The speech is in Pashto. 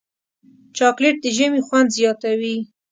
چاکلېټ د ژمي خوند زیاتوي.